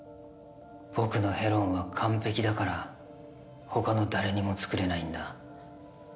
僕のヘロンは完璧だから他の誰にも作れないんだ。